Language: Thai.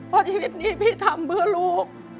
เพราะชีวิตนี้พี่ทำเพื่อลูก